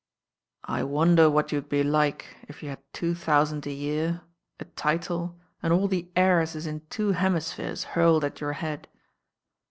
"I wonder what you'd be like if you had two thou sand a year, a title, and all the heiresses in two hemispheres hurled at your head."